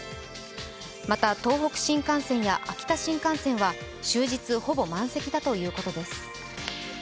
また、東北新幹線や秋田新幹線は終日ほぼ満席だということです。